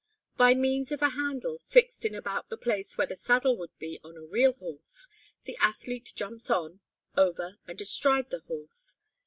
By means of a handle, fixed in about the place where the saddle would be on a real horse, the athlete jumps on, over and astride the horse.